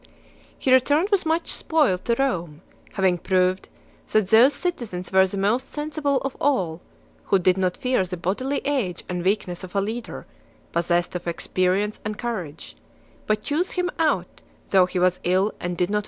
XXXVIII. He returned with much spoil to Rome, having proved that those citizens were the most sensible of all who did not fear the bodily age and weakness of a leader possessed of experience and courage, but chose him out, though he was ill and did not.